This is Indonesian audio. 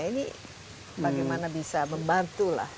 ini bagaimana bisa membantu lah